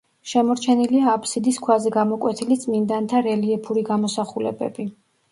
შემორჩენილია აბსიდის ქვაზე გამოკვეთილი წმინდანთა რელიეფური გამოსახულებები.